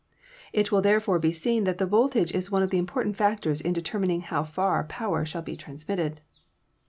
It will therefore be seen that the voltage is one of the important factors in determining how far power shall be transmitted.